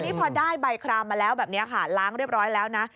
นี่พอได้ใบครามมาแล้วแบบนี้ค่ะล้างเรียบร้อยแล้วนะ